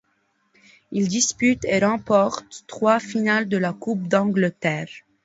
Il dispute et remporte trois finales de la Coupe d'Angleterre.